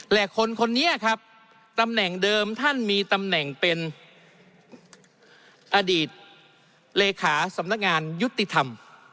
และคนคนนี้ครับตำแหน่งเดิมท่านมีตำแหน่งเป็นอดีตเลขาสำนักงานยุติธรรม